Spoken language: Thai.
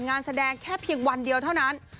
งานแสดงแค่เพียงวันเดียวเท่านั้น